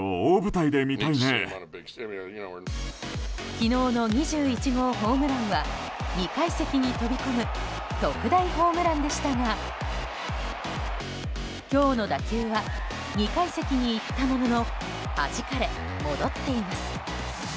昨日の２１号ホームランは２階席に飛び込む特大ホームランでしたが今日の打球は２階席に行ったもののはじかれ、戻っています。